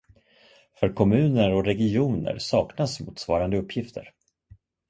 För kommuner och regioner saknas motsvarande uppgifter.